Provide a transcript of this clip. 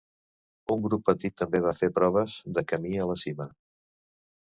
Un grup petit també va fer proves de camí a la cima.